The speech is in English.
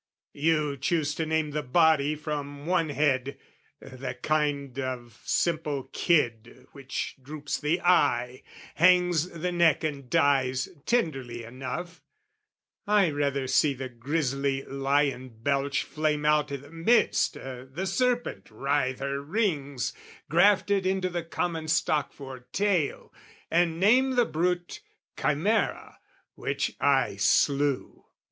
You choose to name the body from one head, That of the simple kid which droops the eye, Hangs the neck and dies tenderly enough: I rather see the griesly lion belch Flame out i' the midst, the serpent writhe her rings, Grafted into the common stock for tail, And name the brute, ChimAera, which I slew!